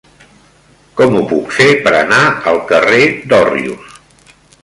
Com ho puc fer per anar al carrer d'Òrrius?